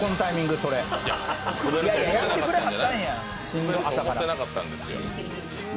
いやいや、やってくれはったんや。